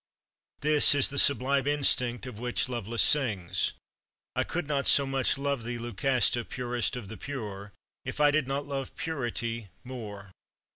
This is the sublime instinct of which Lovelace sings. I could not so much love thee, Lucasta, purest of the pure, if I did not love purity more.